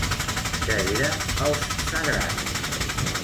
Què eren els sagraris?